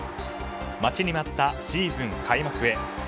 待ちに待ったシーズン開幕へ。